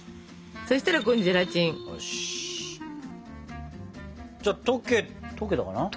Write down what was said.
そしたらここにゼラチン。じゃ溶け溶けたかな？